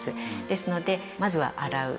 ですのでまずは洗う。